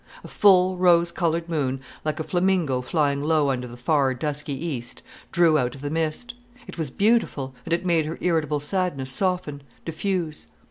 A full, rose coloured moon, like a flamingo flying low under the far, dusky east, drew out of the mist. It was beautiful, and it made her irritable sadness soften, diffuse.